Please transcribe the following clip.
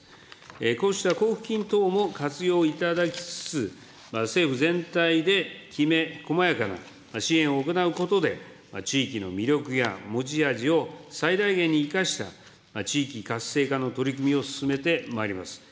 こうした交付金等も活用いただきつつ、政府全体できめ細やかな支援を行うことで、地域の魅力や持ち味を最大限に生かした地域活性化の取り組みを進めてまいります。